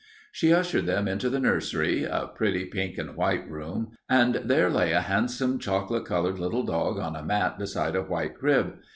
She ushered them into the nursery, a pretty pink and white room, and there lay a handsome, chocolate colored little dog on a mat beside a white crib.